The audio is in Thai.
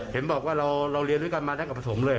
เห็นบอกว่าเราเรียนวิกันมานักกับผสมเลยหรอ